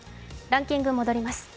ランキングに戻ります。